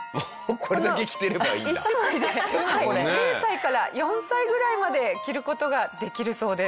この１枚で０歳から４歳ぐらいまで着る事ができるそうです。